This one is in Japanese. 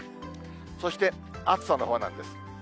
そして、暑さのほうなんです。